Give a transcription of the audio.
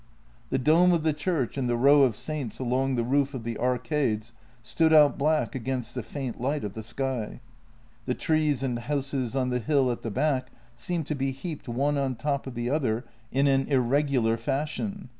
The dome of the church and the row of saints along the roof of the arcades stood out black against the faint light of the sky; the trees and houses on the hill at the back seemed to be heaped one on top of the other in an irregular fashion.